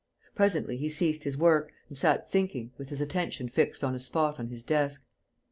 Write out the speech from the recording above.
Presently he ceased his work and sat thinking, with his attention fixed on a spot on his desk.